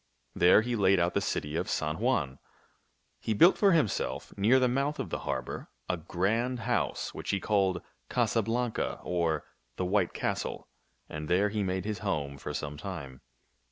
There he laid out the city of San Juan. He built for himself, near the mouth of the harbor, a grand house which he called Casa Blanca, or the White Castle; and there he made his home for some time.